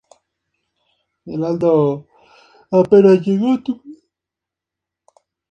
La delegación municipal de Alto del Olvido tiene jurisdicción sobre esta localidad.